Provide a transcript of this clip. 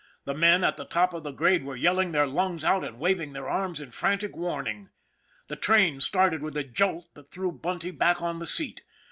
The men at the top of the grade were yelling their lungs out and waving their arms in frantic warning. The train started with a jolt that threw Bunty back on the seat.